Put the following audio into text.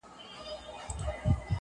چا ويل ډېره شوخي كوي